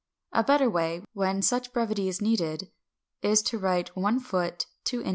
A better way, when such brevity is needed, is to write 1^{ft}. 2^{in}.